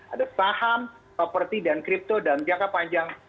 ada saham properti dan kripto dalam jangka panjang